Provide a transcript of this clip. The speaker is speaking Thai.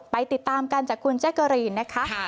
ติดตามกันจากคุณแจ๊กเกอรีนนะคะ